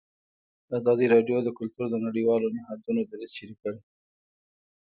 ازادي راډیو د کلتور د نړیوالو نهادونو دریځ شریک کړی.